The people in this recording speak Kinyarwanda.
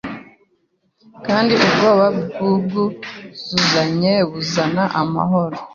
Kandi ubwoba bwubwu zuzanye buzana amahoro